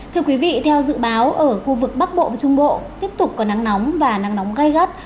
thưa quý vị theo dự báo ở khu vực bắc bộ và trung bộ tiếp tục có nắng nóng và nắng nóng gai gắt